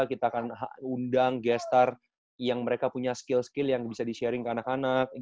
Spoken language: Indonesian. kita akan undang gestar yang mereka punya skill skill yang bisa di sharing ke anak anak